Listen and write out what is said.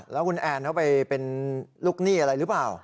แล้วคุณแอนเขาไปเป็นลูกหนี้อะไรหรือเปล่า